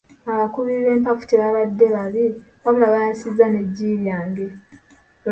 Abakubi b'empafu tebabadde babi wabula baayasizza n'eggi lyange.